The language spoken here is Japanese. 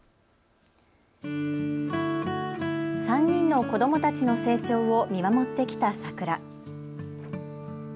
３人の子どもたちの成長を見守ってきた桜。